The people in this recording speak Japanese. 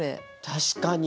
確かに！